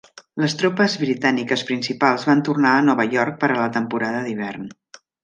Les tropes britàniques principals van tornar a Nova York per a la temporada d'hivern.